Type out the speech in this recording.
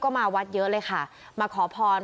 ก็มาวัดเยอะเลยค่ะมาขอพร